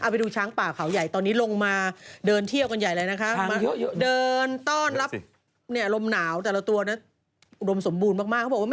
ยี่สิบกว่าเชือกขนาดนี้ไม่ได้โดนเชือกเลยว่าตัวตัวใช่ไหม